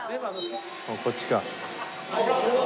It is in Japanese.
こっちか。